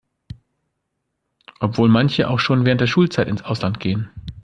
Obwohl manche auch schon während der Schulzeit ins Ausland gehen.